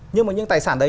nhưng mà những tài sản đấy